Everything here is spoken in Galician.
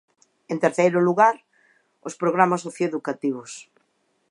En terceiro lugar, os programas socioeducativos.